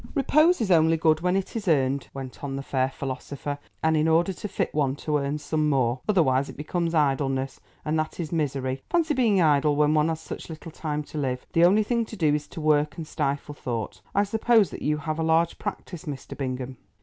"Repose is only good when it is earned," went on the fair philosopher, "and in order to fit one to earn some more, otherwise it becomes idleness, and that is misery. Fancy being idle when one has such a little time to live. The only thing to do is to work and stifle thought. I suppose that you have a large practice, Mr. Bingham?"